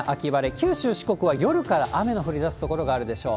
九州、四国は夜から雨の降りだす所があるでしょう。